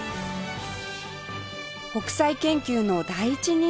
北斎研究の第一人者